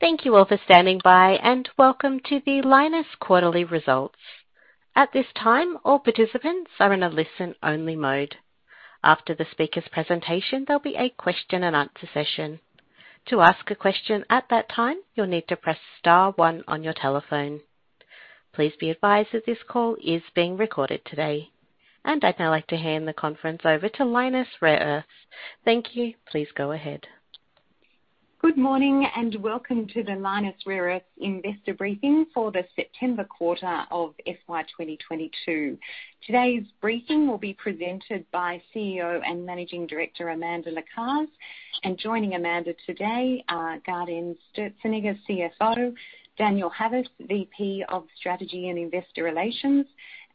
Thank you all for standing by, and welcome to the Lynas quarterly results. At this time, all participants are in a listen-only mode. After the speaker's presentation, there'll be a question-and-answer session. To ask a question at that time, you'll need to press star one on your telephone. Please be advised that this call is being recorded today. I'd now like to hand the conference over to Lynas Rare Earths. Thank you. Please go ahead. Good morning, and welcome to the Lynas Rare Earths Investor Briefing for the September Quarter of FY 2022. Today's briefing will be presented by CEO and Managing Director, Amanda Lacaze. Joining Amanda today are Gaudenz Sturzenegger, CFO, Daniel Havas, VP of Strategy and Investor Relations,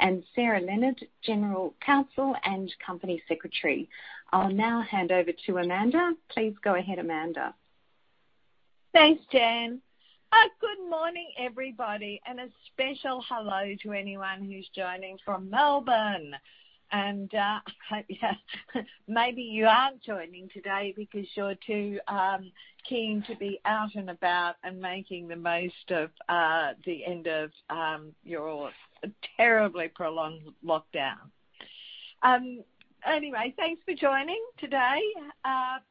and Sarah Leonard, General Counsel and Company Secretary. I'll now hand over to Amanda. Please go ahead, Amanda. Thanks, Jan. Good morning, everybody, a special hello to anyone who's joining from Melbourne. Maybe you aren't joining today because you're too keen to be out and about and making the most of the end of your terribly prolonged lockdown. Anyway, thanks for joining today.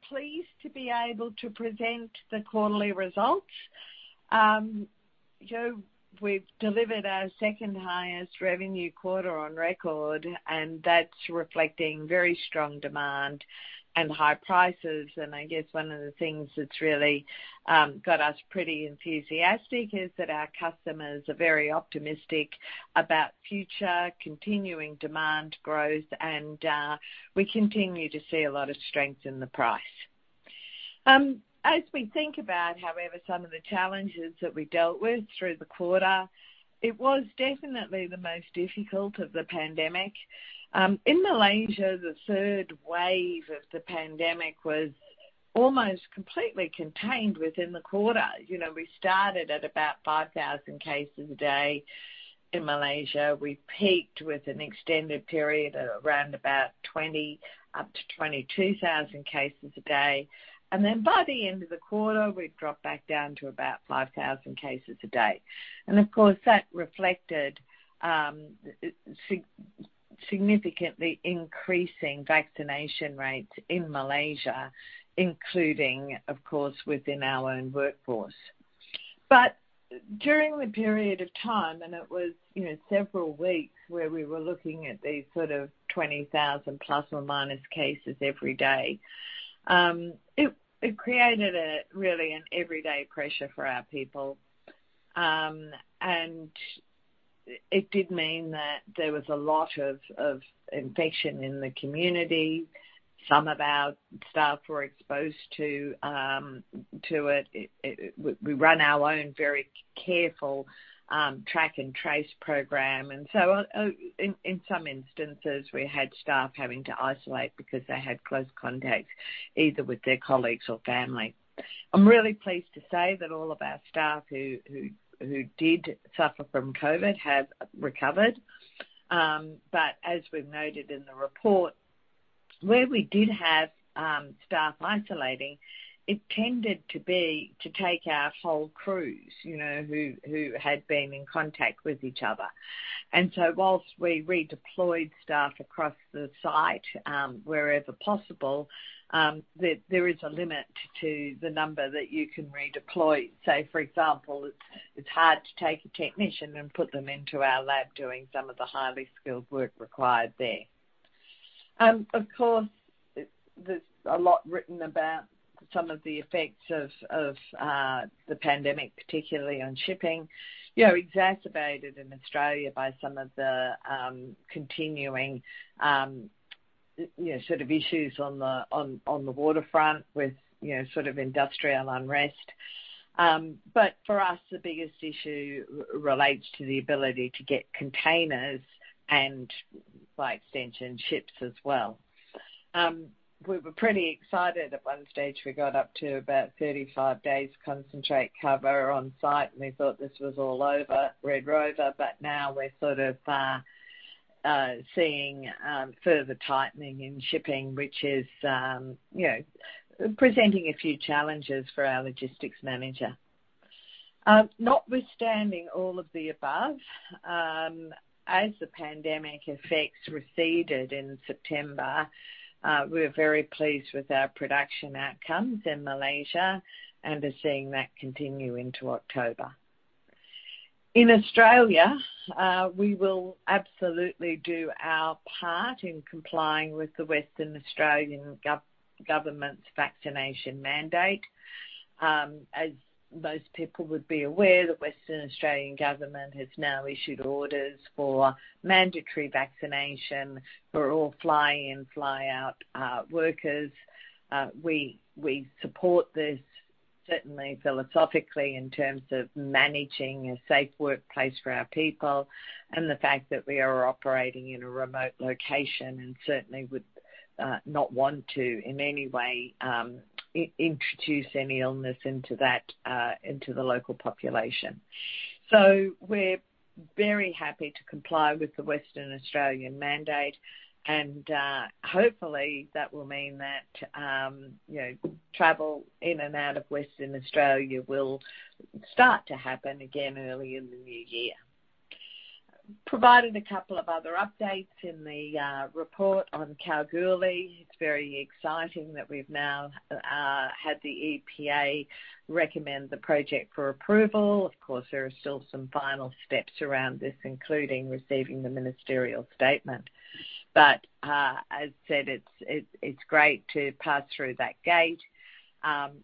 Pleased to be able to present the quarterly results. We've delivered our second-highest revenue quarter on record, that's reflecting very strong demand and high prices. I guess one of the things that's really got us pretty enthusiastic is that our customers are very optimistic about future continuing demand growth and we continue to see a lot of strength in the price. As we think about, however, some of the challenges that we dealt with through the quarter, it was definitely the most difficult of the pandemic. In Malaysia, the third wave of the pandemic was almost completely contained within the quarter. We started at about 5,000 cases a day in Malaysia. We peaked with an extended period at around about 20 up to 22,000 cases a day. By the end of the quarter, we'd dropped back down to about 5,000 cases a day. That reflected significantly increasing vaccination rates in Malaysia, including, of course, within our own workforce. During the period of time, and it was several weeks where we were looking at these sort of 20,000± cases every day, it created really an everyday pressure for our people. It did mean that there was a lot of infection in the community. Some of our staff were exposed to it. We run our own very careful track and trace program, and so in some instances, we had staff having to isolate because they had close contacts either with their colleagues or family. I'm really pleased to say that all of our staff who did suffer from COVID have recovered. As we've noted in the report, where we did have staff isolating, it tended to be, to take our whole crews who had been in contact with each other. Whilst we redeployed staff across the site wherever possible, there is a limit to the number that you can redeploy. Say, for example, it's hard to take a technician and put them into our lab doing some of the highly skilled work required there. Of course, there's a lot written about some of the effects of the pandemic, particularly on shipping, exacerbated in Australia by some of the continuing issues on the waterfront with industrial unrest. For us, the biggest issue relates to the ability to get containers and by extension, ships as well. We were pretty excited at one stage. We got up to about 35 days concentrate cover on site and we thought this was all over Red Rover, but now we're sort of seeing further tightening in shipping, which is presenting a few challenges for our logistics manager. Notwithstanding all of the above, as the pandemic effects receded in September, we're very pleased with our production outcomes in Malaysia and are seeing that continue into October. In Australia, we will absolutely do our part in complying with the Western Australian government's vaccination mandate. As most people would be aware, the Western Australian government has now issued orders for mandatory vaccination for all fly in, fly out workers. We support this certainly philosophically in terms of managing a safe workplace for our people and the fact that we are operating in a remote location and certainly would not want to, in any way, introduce any illness into the local population. Very happy to comply with the Western Australian mandate. Hopefully, that will mean that travel in and out of Western Australia will start to happen again early in the new year. Provided a couple of other updates in the report on Kalgoorlie. It's very exciting that we've now had the EPA recommend the project for approval. There are still some final steps around this, including receiving the ministerial statement. As I said, it's great to pass through that gate.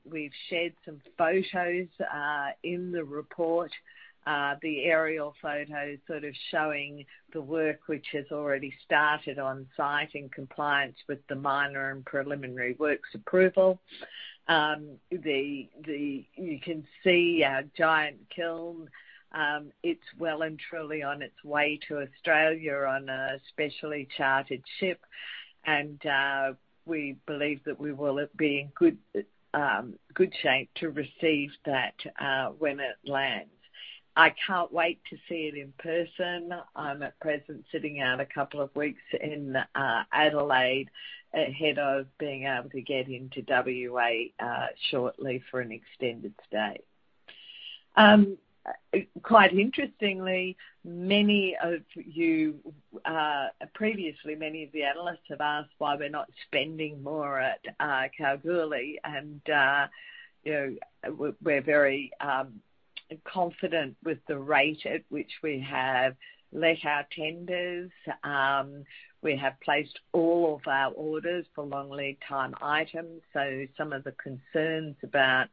We've shared some photos in the report. The aerial photos sort of showing the work which has already started on site in compliance with the minor and preliminary works approval. You can see our giant kiln. It's well and truly on its way to Australia on a specially chartered ship. We believe that we will be in good shape to receive that when it lands. I can't wait to see it in person. I'm at present sitting out a couple of weeks in Adelaide ahead of being able to get into W.A., shortly for an extended stay. Quite interestingly, previously, many of the analysts have asked why we're not spending more at Kalgoorlie and we're very confident with the rate at which we have let our tenders. We have placed all of our orders for long lead time items. Some of the concerns about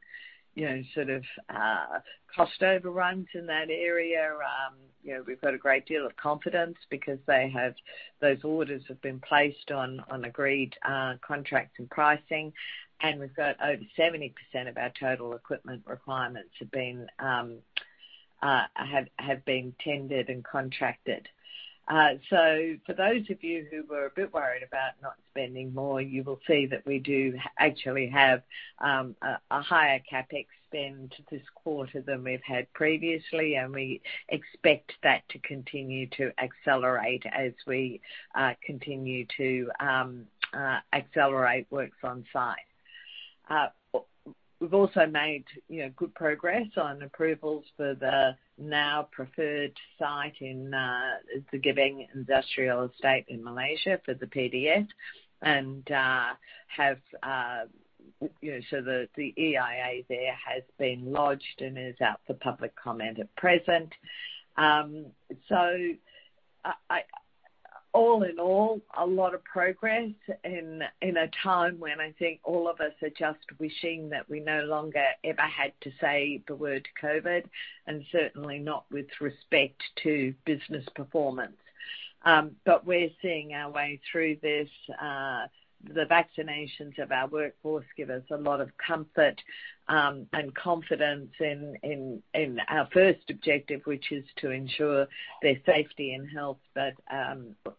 sort of cost overruns in that area, we've got a great deal of confidence because those orders have been placed on agreed contracts and pricing, and we've got over 70% of our total equipment requirements have been tendered and contracted. For those of you who were a bit worried about not spending more, you will see that we do actually have a higher CapEx spend this quarter than we've had previously, and we expect that to continue to accelerate as we continue to accelerate works on-site. We've also made good progress on approvals for the now preferred site in the Gebeng Industrial Estate in Malaysia for the PDF. The EIA there has been lodged and is out for public comment at present. All in all, a lot of progress in a time when I think all of us are just wishing that we no longer ever had to say the word COVID, and certainly not with respect to business performance. But we're seeing our way through this. The vaccinations of our workforce give us a lot of comfort and confidence in our first objective, which is to ensure their safety and health, but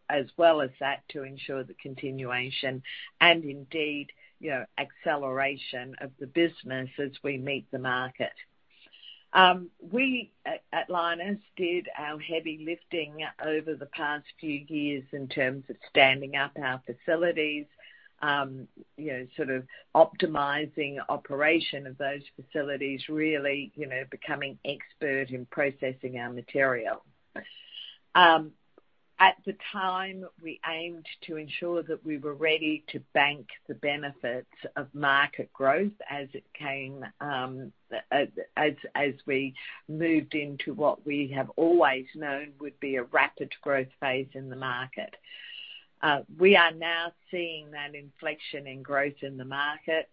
as well as that, to ensure the continuation and indeed, acceleration of the business as we meet the market. We at Lynas did our heavy lifting over the past few years in terms of standing up our facilities, sort of optimizing operation of those facilities, really becoming expert in processing our material. At the time, we aimed to ensure that we were ready to bank the benefits of market growth as it came, as we moved into what we have always known would be a rapid growth phase in the market. We are now seeing that inflection in growth in the market.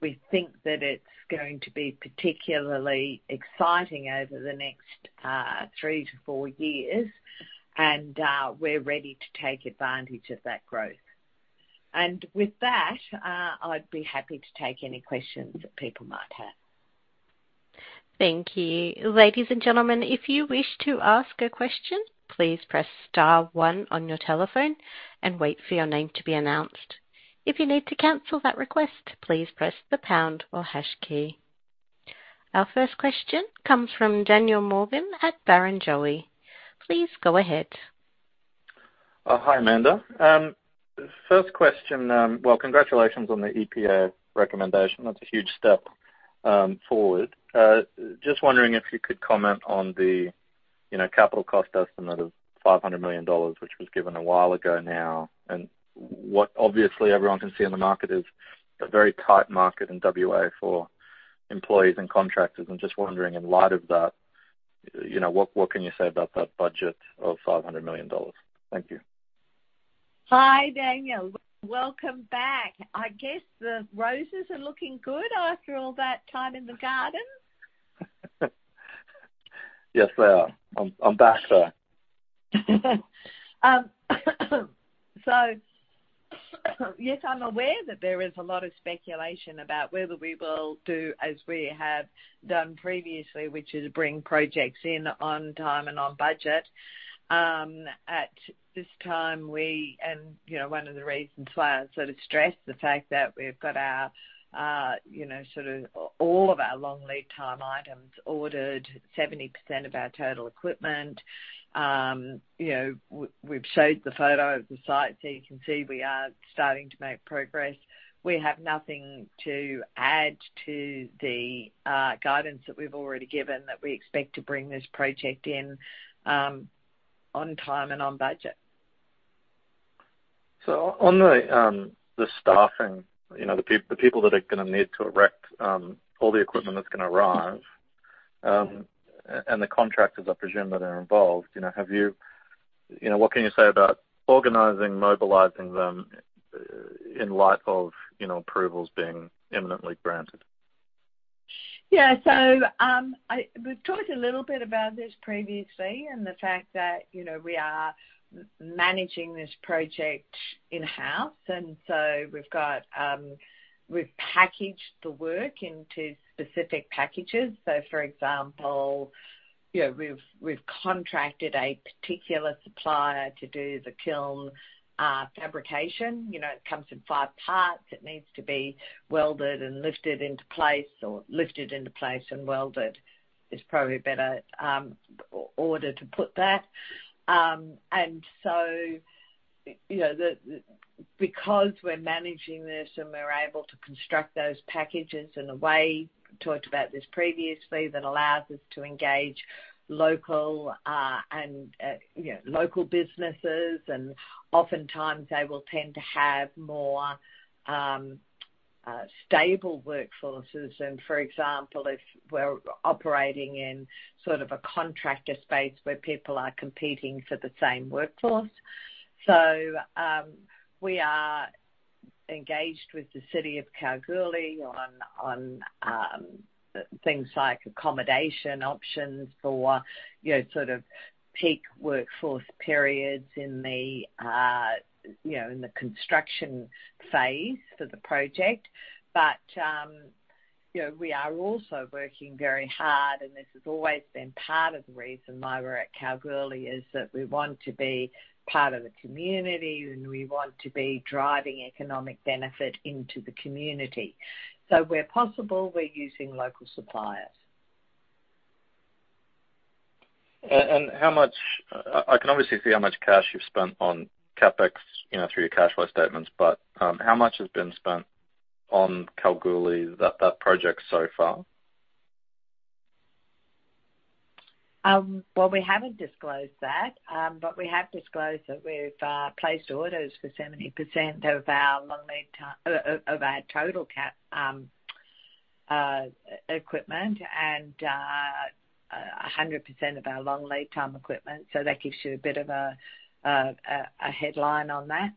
We think that it's going to be particularly exciting over the next three to four years, and we're ready to take advantage of that growth. With that, I'd be happy to take any questions that people might have. Thank you. Ladies and gentlemen, if you wish to ask a question, please press star one on your telephone and wait for your name to be announced. If you need to cancel that request, please press the pound or hash key. Our first question comes from Daniel Morgan at Barrenjoey. Please go ahead. Hi, Amanda. First question. Well, congratulations on the EPA recommendation. That's a huge step forward. Just wondering if you could comment on the capital cost estimate of 500 million dollars, which was given a while ago now. What obviously everyone can see in the market is a very tight market in W.A. for employees and contractors. I'm just wondering, in light of that, what can you say about that budget of 500 million dollars? Thank you. Hi, Daniel. Welcome back. I guess the roses are looking good after all that time in the garden. Yes, they are. I'm back, though. Yes, I'm aware that there is a lot of speculation about whether we will do as we have done previously, which is bring projects in on time and on budget. At this time, and one of the reasons why I sort of stress the fact that we've got all of our long lead time items ordered, 70% of our total equipment. We've showed the photo of the site, so you can see we are starting to make progress. We have nothing to add to the guidance that we've already given, that we expect to bring this project in on time and on budget. On the staffing, the people that are going to need to erect all the equipment that's going to arrive, and the contractors, I presume, that are involved. What can you say about organizing, mobilizing them in light of approvals being imminently granted? Yeah. We've talked a little bit about this previously and the fact that we are managing this project in-house. We've packaged the work into specific packages. For example, we've contracted a particular supplier to do the kiln fabrication. It comes in five parts. It needs to be welded and lifted into place or lifted into place and welded, is probably a better order to put that. Because we're managing this and we're able to construct those packages in a way, talked about this previously, that allows us to engage local businesses and oftentimes they will tend to have more stable workforces than, for example, if we're operating in sort of a contractor space where people are competing for the same workforce. We are engaged with the City of Kalgoorlie on things like accommodation options for peak workforce periods in the construction phase for the project. We are also working very hard, and this has always been part of the reason why we're at Kalgoorlie, is that we want to be part of a community and we want to be driving economic benefit into the community. Where possible, we're using local suppliers. I can obviously see how much cash you've spent on CapEx through your cash flow statements. How much has been spent on Kalgoorlie, that project so far? We haven't disclosed that. We have disclosed that we've placed orders for 70% of our total equipment and 100% of our long lead time equipment. That gives you a bit of a headline on that.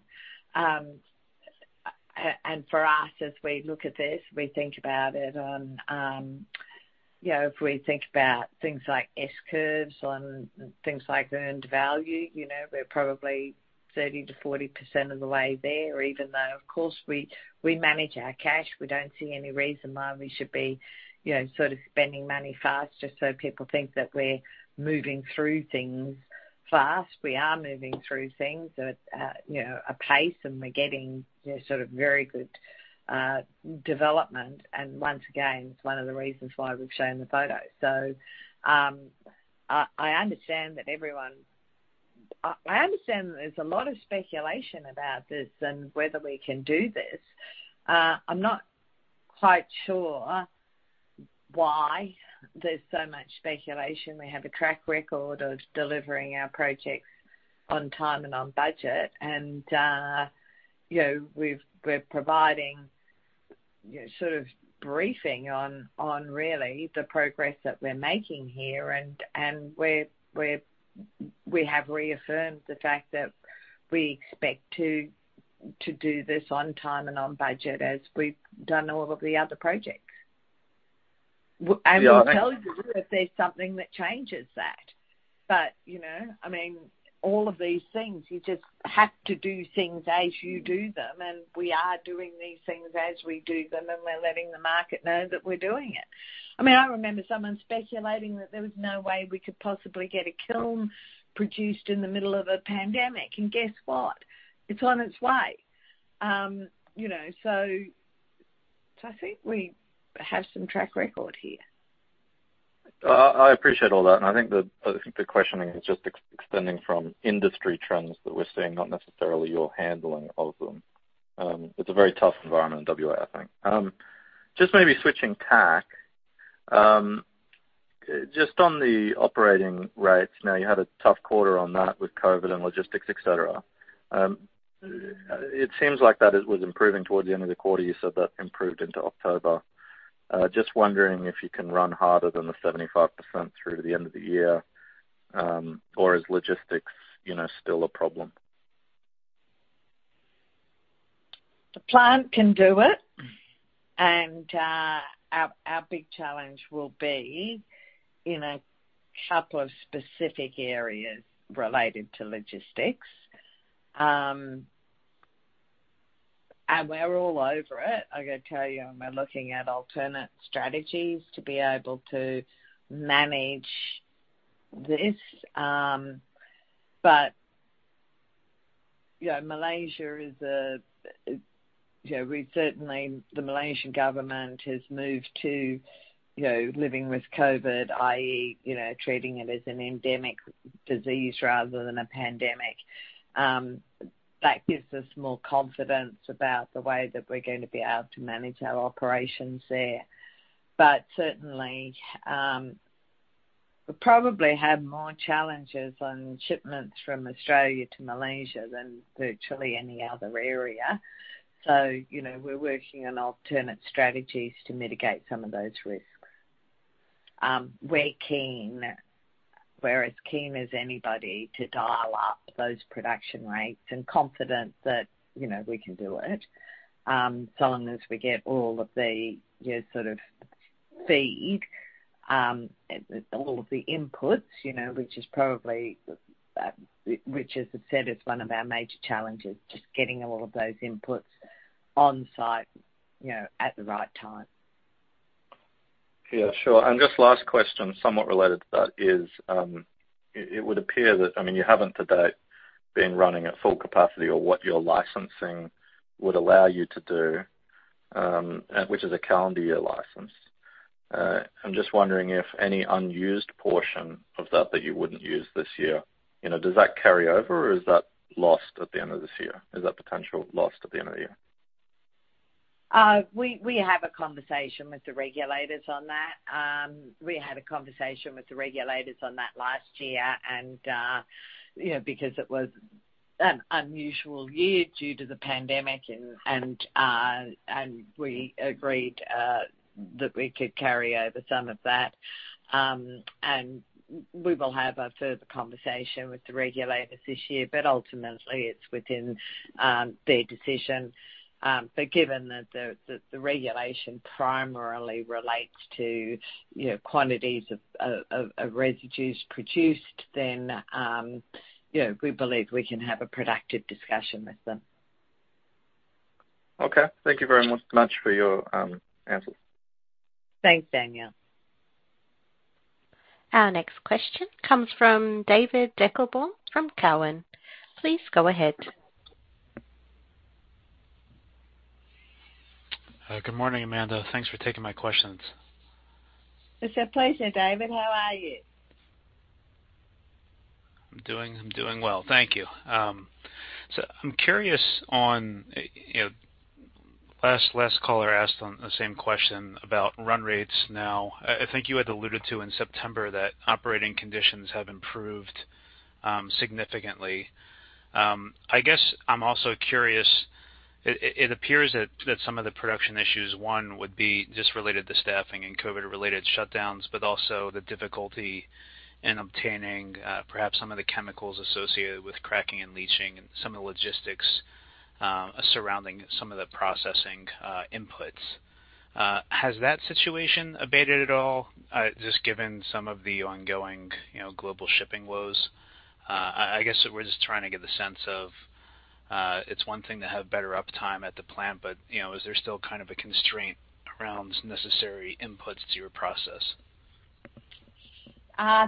For us, as we look at this, we think about it on, if we think about things like S-curves and things like earned value. We're probably 30%-40% of the way there, even though, of course, we manage our cash. We don't see any reason why we should be spending money fast just so people think that we're moving through things fast. We are moving through things at a pace and we're getting very good development. Once again, it's one of the reasons why we've shown the photo. I understand there's a lot of speculation about this and whether we can do this. I'm not quite sure why there's so much speculation. We have a track record of delivering our projects on time and on budget. We're providing briefing on really the progress that we're making here. We have reaffirmed the fact that we expect to do this on time and on budget as we've done all of the other projects. Yeah. We'll tell you if there's something that changes that. All of these things, you just have to do things as you do them, and we are doing these things as we do them, and we're letting the market know that we're doing it. I remember someone speculating that there was no way we could possibly get a kiln produced in the middle of a pandemic. Guess what? It's on its way. I think we have some track record here. I appreciate all that. I think the questioning is just extending from industry trends that we're seeing, not necessarily your handling of them. It's a very tough environment in W.A., I think. Just maybe switching tack. Just on the operating rates. You had a tough quarter on that with COVID and logistics, et cetera. It seems like that was improving towards the end of the quarter. You said that improved into October. Just wondering if you can run harder than the 75% through to the end of the year, or is logistics still a problem? The plant can do it. Our big challenge will be in a couple of specific areas related to logistics. We're all over it. I've got to tell you, and we're looking at alternate strategies to be able to manage this. Malaysia, certainly the Malaysian government has moved to living with COVID, i.e., treating it as an endemic disease rather than a pandemic. That gives us more confidence about the way that we're going to be able to manage our operations there. Certainly, we'll probably have more challenges on shipments from Australia to Malaysia than virtually any other area. We're working on alternate strategies to mitigate some of those risks. We're as keen as anybody to dial-up those production rates and confident that we can do it, so long as we get all of the feed, all of the inputs, which as I said, is one of our major challenges, just getting all of those inputs on-site at the right time. Yeah, sure. Just last question, somewhat related to that is, it would appear that, you haven't to date been running at full capacity or what your licensing would allow you to do, which is a calendar year license. I'm just wondering if any unused portion of that you wouldn't use this year, does that carry over or is that lost at the end of this year? Is that potential lost at the end of the year? We have a conversation with the regulators on that. We had a conversation with the regulators on that last year and because it was an unusual year due to the pandemic and we agreed that we could carry over some of that. We will have a further conversation with the regulators this year, but ultimately it's within their decision. Given that the regulation primarily relates to quantities of residues produced, then we believe we can have a productive discussion with them. Okay. Thank you very much for your answers. Thanks, Daniel. Our next question comes from David Deckelbaum from Cowen. Please go ahead. Good morning, Amanda. Thanks for taking my questions. It's a pleasure, David. How are you? I'm doing well. Thank you. I'm curious on, last caller asked on the same question about run rates now. I think you had alluded to in September that operating conditions have improved significantly. I guess I'm also curious. It appears that some of the production issues, one would be just related to staffing and COVID-related shutdowns, but also the difficulty in obtaining perhaps some of the chemicals associated with cracking and leaching and some of the logistics surrounding some of the processing inputs. Has that situation abated at all? Just given some of the ongoing global shipping woes. I guess we're just trying to get the sense of, it's one thing to have better uptime at the plant, but is there still kind of a constraint around necessary inputs to your process?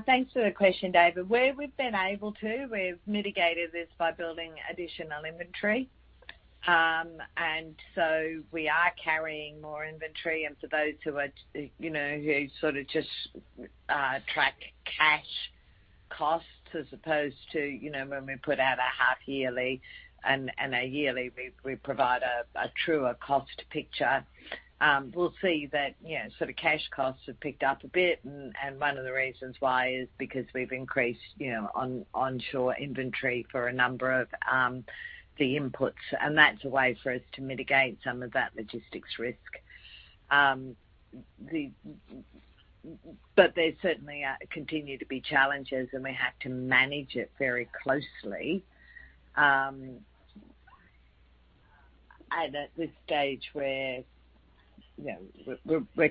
Thanks for the question, David. Where we've been able to, we've mitigated this by building additional inventory. We are carrying more inventory and for those who sort of just track cash costs as opposed to when we put out a half yearly and a yearly, we provide a truer cost picture. We'll see that sort of cash costs have picked up a bit and one of the reasons why is because we've increased onshore inventory for a number of the inputs. That's a way for us to mitigate some of that logistics risk. There's certainly continue to be challenges and we have to manage it very closely. At this stage we're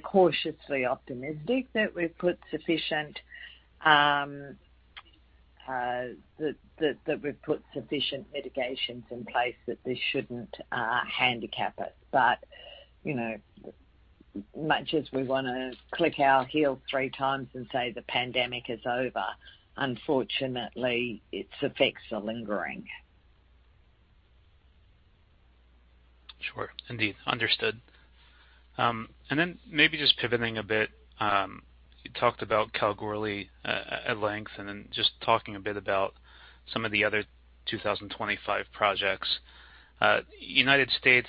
cautiously optimistic that we've put sufficient mitigations in place that this shouldn't handicap us. Much as we want to click our heels three times and say the pandemic is over, unfortunately, its effects are lingering. Sure. Indeed. Understood. Maybe just pivoting a bit. You talked about Kalgoorlie at length and then just talking a bit about some of the other 2025 projects. United States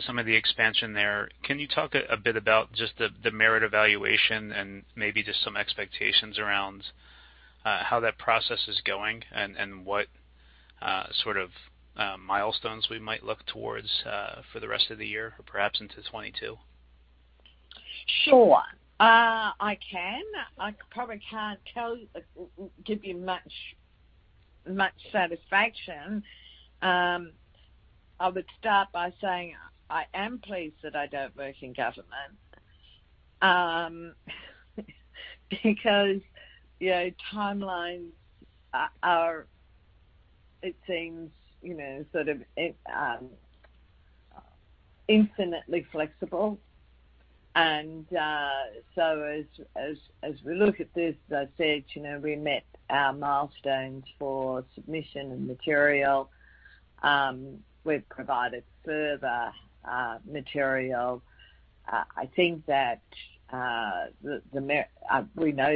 some of the expansion there. Can you talk a bit about just the merit evaluation and maybe just some expectations around how that process is going and what sort of milestones we might look towards for the rest of the year or perhaps into 2022? Sure. I can. I probably can't give you much satisfaction. I would start by saying I am pleased that I don't work in government. Because timelines are, it seems, infinitely flexible. As we look at this, as I said, we met our milestones for submission of material. We've provided further material. We know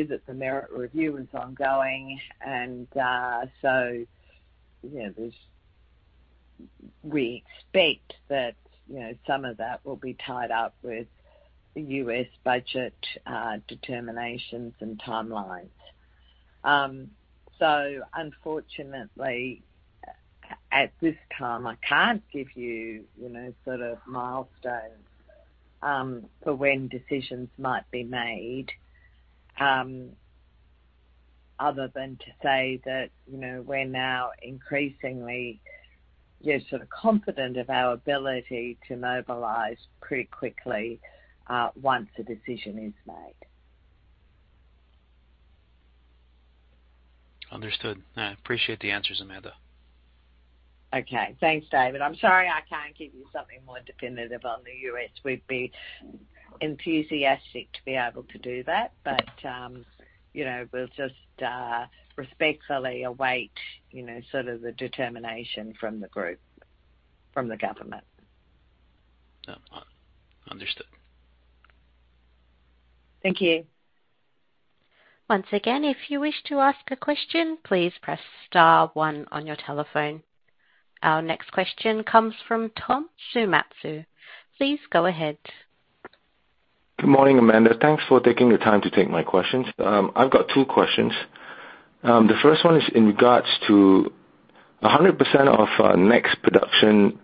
that the merit review is ongoing, we expect that some of that will be tied up with the U.S. budget determinations and timelines. Unfortunately, at this time, I can't give you milestones for when decisions might be made, other than to say that we're now increasingly confident of our ability to mobilize pretty quickly once a decision is made. Understood. No, appreciate the answers, Amanda. Okay. Thanks, David. I'm sorry I can't give you something more definitive on the U.S. We'd be enthusiastic to be able to do that. We'll just respectfully await the determination from the group, from the government. Understood. Thank you. Once again, if you wish to ask a question, please press star one on your telephone. Our next question comes from Tom Sumatsu. Please go ahead. Good morning, Amanda. Thanks for taking the time to take my questions. I've got two questions. The first one is in regards to 100% of nameplate production.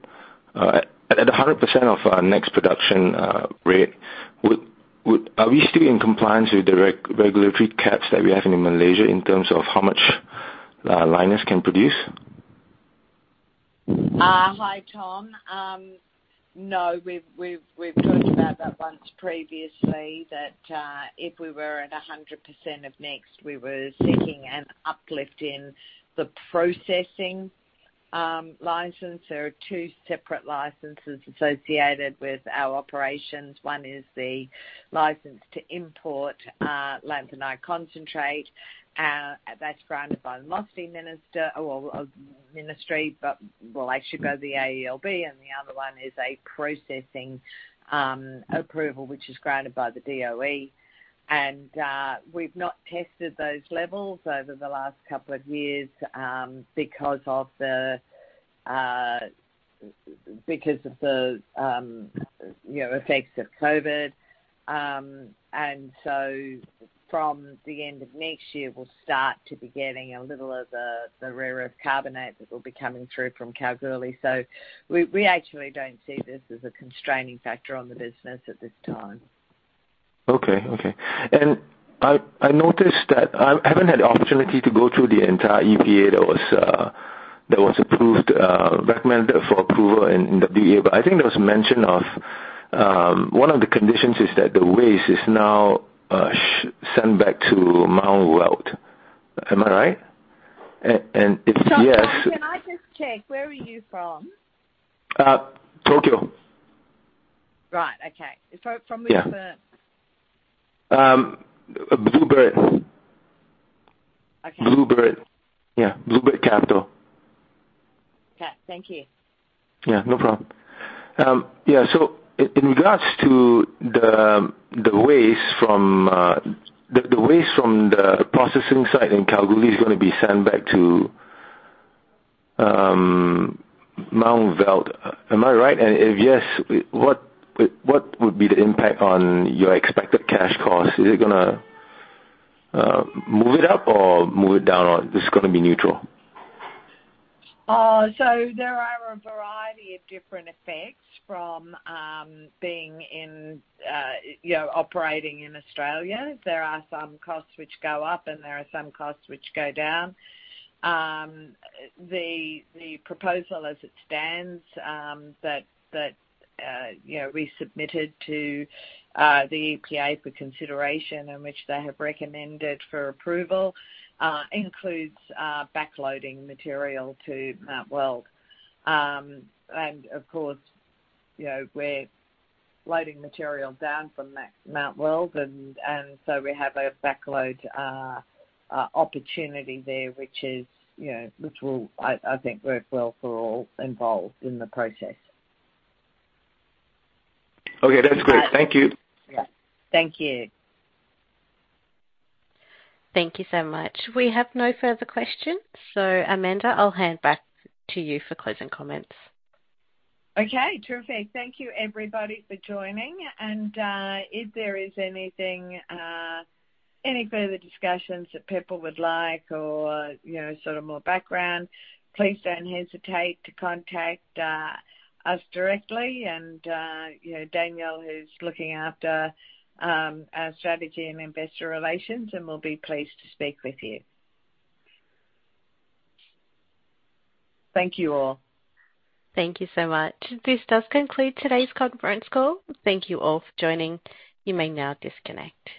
At 100% of our nameplate production rate, are we still in compliance with the regulatory caps that we have in Malaysia in terms of how much Lynas can produce? Hi, Tom. No, we've talked about that once previously, that if we were at 100% of nameplate, we were seeking an uplift in the processing license. There are two separate licenses associated with our operations. One is the license to import lanthanide concentrate. That's granted by the ministry, actually the AELB. The other one is a processing approval, which is granted by the DOE. We've not tested those levels over the last couple of years because of the effects of COVID. From the end of nameplate year, we'll start to be getting a little of the rare earth carbonate that will be coming through from Kalgoorlie. We actually don't see this as a constraining factor on the business at this time. Okay. I noticed that I haven't had the opportunity to go through the entire EPA that was recommended for approval in the DEIA. I think there was mention of one of the conditions is that the waste is now sent back to Mount Weld. Am I right? Tom, can I just check, where are you from? Tokyo. Right. Okay. Yeah. From which firm? Bluebird. Okay. Bluebird. Yeah. Bluebird Capital. Okay. Thank you. Yeah, no problem. Yeah, in regards to the waste from the processing site in Kalgoorlie is going to be sent back to Mount Weld. Am I right? If yes, what would be the impact on your expected cash cost? Is it going to move it up or move it down, or this is going to be neutral? There are a variety of different effects from operating in Australia. There are some costs which go up and there are some costs which go down. The proposal as it stands that we submitted to the EPA for consideration and which they have recommended for approval, includes backloading material to Mount Weld. Of course, we're loading material down from Mount Weld and so we have a backload opportunity there, which will, I think, work well for all involved in the process. Okay. That's great. Thank you. Yeah. Thank you. Thank you so much. We have no further questions. Amanda, I'll hand back to you for closing comments. Okay. Terrific. Thank you everybody for joining. If there is any further discussions that people would like or sort of more background, please don't hesitate to contact us directly. Daniel, who's looking after our strategy and investor relations, and will be pleased to speak with you. Thank you all. Thank you so much. This does conclude today's conference call. Thank you all for joining. You may now disconnect.